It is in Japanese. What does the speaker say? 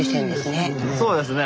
そうですね。